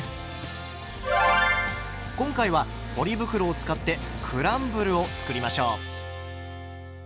今回はポリ袋を使ってクランブルを作りましょう。